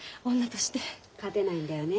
勝てないんだよね